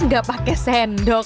gak pakai sendok